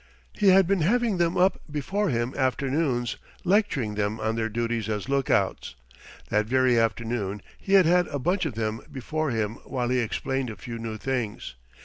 He had been having them up before him afternoons, lecturing them on their duties as lookouts. That very afternoon he had had a bunch of them before him while he explained a few new things.